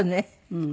うん。